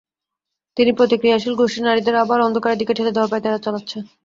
কিন্তু প্রতিক্রিয়াশীল গোষ্ঠী নারীদের আবার অন্ধকারের দিকে ঠেলে দেওয়ার পাঁয়তারা চালাচ্ছে।